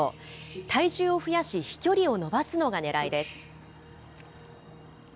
体重を増やし、飛距離を伸ばすのがねらいです。